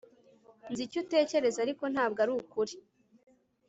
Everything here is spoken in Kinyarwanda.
Nzi icyo utekereza ariko ntabwo arukuri